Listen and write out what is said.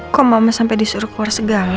kok mama sampai disuruh keluar segala